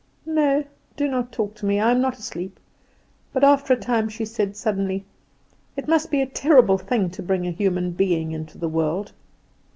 "No; do not talk to me; I am not asleep;" but after a time she said suddenly: "It must be a terrible thing to bring a human being into the world."